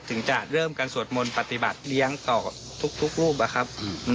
ถึงจะเริ่มการสวดมนต์ปฏิบัติเลี้ยงต่อทุกรูปอะครับ